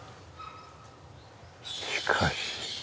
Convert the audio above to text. しかし。